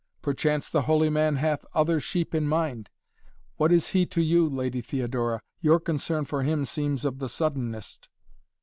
"Perchance the holy man hath other sheep in mind. What is he to you, Lady Theodora? Your concern for him seems of the suddenest."